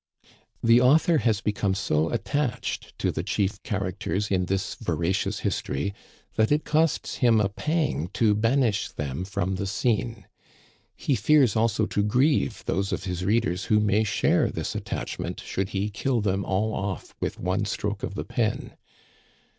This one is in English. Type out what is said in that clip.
••••••• The author has become so attached to the chief char acters in this veracious history that it costs him a pang to banish them from the scene. He fears also to grieve those of his readers who may share this attachment should he kill them all off with one stroke of the pen.